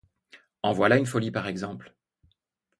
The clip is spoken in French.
En voilà une folie, par exemple!